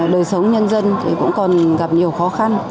đời sống nhân dân cũng còn gặp nhiều khó khăn